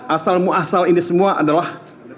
asal muasal ini semua adalah